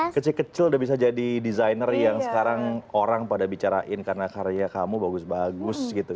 kecil kecil udah bisa jadi desainer yang sekarang orang pada bicarain karena karya kamu bagus bagus gitu